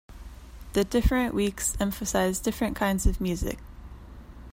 The different weeks emphasize different kinds of music.